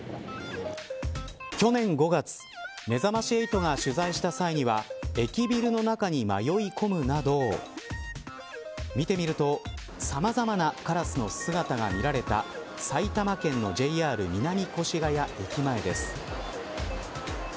去年５月めざまし８が取材した際には駅ビルの中に迷い込むなど見てみるとさまざまなカラスの姿が見られた埼玉県のＪＲ南越谷駅前です。